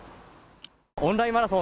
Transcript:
オンラインマラソン